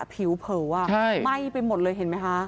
ผิวเผลอว่ะใช่ไหม้ไปหมดเลยเห็นมั้ยฮะ